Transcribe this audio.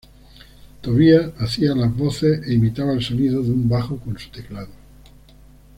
Tobias hacía las voces e imitaba el sonido de un bajo con su teclado.